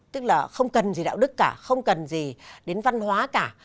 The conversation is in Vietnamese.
tức là không cần gì đạo đức cả không cần gì đến văn hóa cả